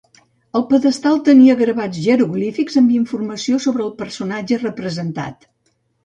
El pedestal tenia gravats jeroglífics amb informació sobre el personatge representat.